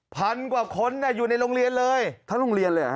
พันกว่าคนอยู่ในโรงเรียนเลยทั้งโรงเรียนเลยเหรอ